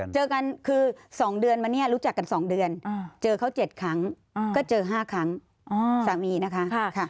เจอกันคือ๒เดือนมาเนี่ยรู้จักกัน๒เดือนเจอเขา๗ครั้งก็เจอ๕ครั้งสามีนะคะ